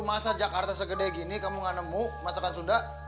masa jakarta segede gini kamu gak nemu masakan sunda